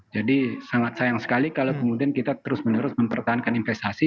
jadi sangat sayang sekali kalau kemudian kita terus menerus mempertahankan investasi